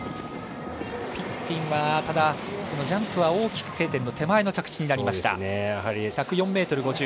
ピッティンはジャンプは大きくＫ点の手前の着地になりました。